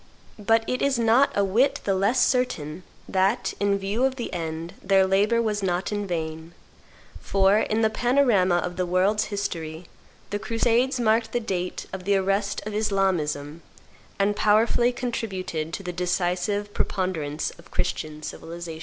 But it is not a whit the less certain that, in view of the end, their labor was not in vain; for, in the panorama of the world's history, the crusades marked the date of the arrest of Islamism, and powerfully contributed to the decisive preponderance of Christian civilization.